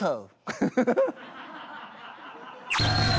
フフフ！